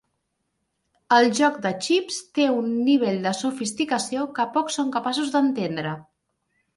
El joc de xips té un nivell de sofisticació que pocs són capaços d'entendre.